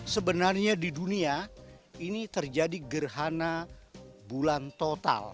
sebenarnya di dunia ini terjadi gerhana bulan total